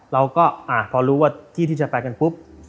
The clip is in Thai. เราก็พอรู้ว่าที่ที่จะไปกันปุ๊บ